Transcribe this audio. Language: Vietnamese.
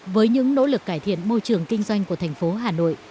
với những nỗ lực cải thiện môi trường kinh doanh của thành phố hà nội